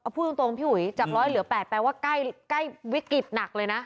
พูดตรงพี่อุ๋ยจาก๑๐๐เหลือ๘แปลว่าใกล้วิกฤตหนักเลยนะ